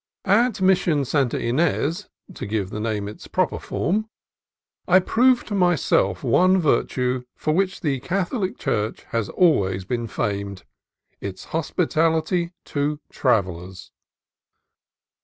AT Mission Santa Ines (to give the name its proper form) I proved for myself one virtue for which the Catholic Church has always been famed, — its hospitality to travellers.